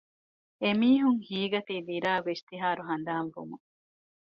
އެމީހުން ހީނގަތީ ދިރާގް އިސްތިހާރު ހަނދާން ވުމުން